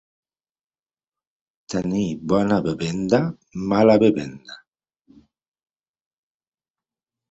Tenir bona bevenda, mala bevenda.